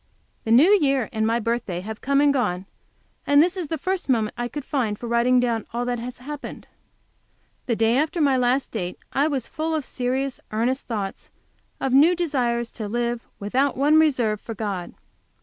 The New Year and my birthday have come and gone, and this is the first moment I could find for writing down all that has happened. The day after my last date I was full of serious, earnest thoughts, of new desires to live, without one reserve, for God.